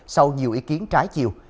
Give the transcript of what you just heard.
sau nhiều ý kiến trái chiều